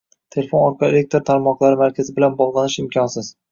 Telefon orqali elektr tarmoqlari markazi bilan bogʻlanish imkonsiz.